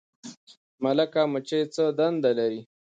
ملکه مچۍ څه دنده لري؟